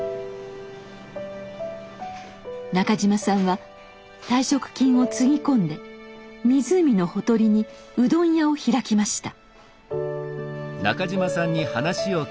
中島さんは退職金をつぎ込んで湖のほとりにうどん屋を開きました。